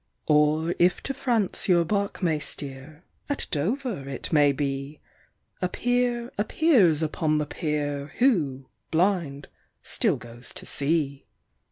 Or, if to France your bark may steer, at Dover it may be, A peer appears upon the pier, who, blind, still goes to sea.